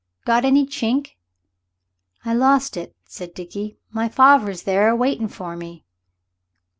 "Got any chink?" "I lost it," said Dickie. "My farver's there awaitin' for me."